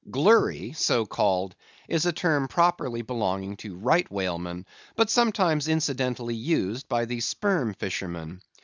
Gurry, so called, is a term properly belonging to right whalemen, but sometimes incidentally used by the sperm fishermen.